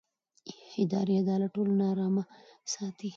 اداري عدالت ټولنه ارامه ساتي